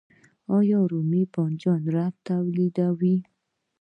آیا د رومي بانجان رب تولیدوو؟